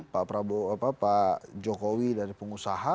pak prabowo pak jokowi dari pengusaha